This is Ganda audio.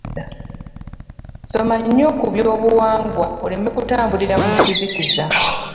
Soma nnyo ku byobuwangwa oleme kutambulira mu kizikiza.